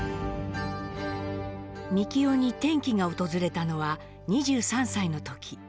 みきおに転機が訪れたのは２３歳の時。